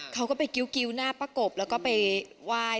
เขาก็ไปกิ๊วหน้าป้ากบแล้วก็ไปไหว้